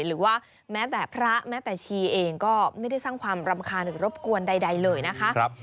หรือว่าแม้แต่พระแม้แต่ชีเองก็ไม่ได้สร้างความรำคาญหรือรบกวนใดเลยนะคะ